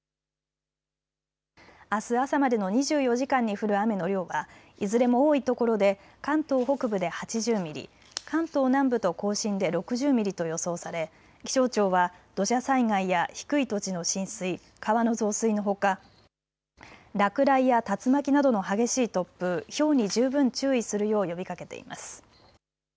あす朝までの２４時間に降る雨の量はいずれも多いところで関東北部で８０ミリ、関東南部と甲信で６０ミリと予想され気象庁は土砂災害や低い土地の浸水、川の増水のほか落雷や竜巻などの激しい突風、ひょうに十分注意するよう呼びかけています。